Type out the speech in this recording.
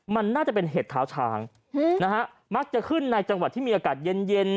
มันน่าจะเป็นเห็ดเท้าช้างนะฮะมักจะขึ้นในจังหวัดที่มีอากาศเย็นเย็น